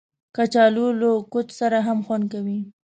کچالو له کوچ سره هم خوند کوي